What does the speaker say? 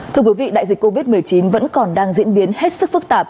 thưa quý vị đại dịch covid một mươi chín vẫn còn đang diễn biến hết sức phức tạp